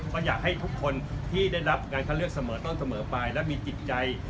ก็อยากให้ทุกคนที่ได้รับการคัดเลือกเสมอต้นเสมอไปและมีจิตใจ